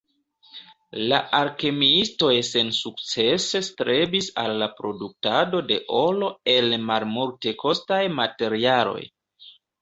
La alkemiistoj sensukcese strebis al la produktado de oro el malmultekostaj materialoj.